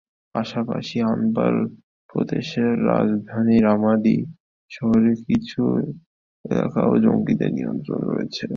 পাশাপাশি আনবার প্রদেশের রাজধানী রামাদি শহরের কিছু এলাকাও জঙ্গিদের নিয়ন্ত্রণে রয়েছে।